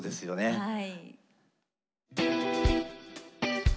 はい。